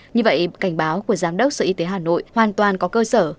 như vậy cảnh báo của giám đốc sở y tế hà nội hoàn toàn có cơ sở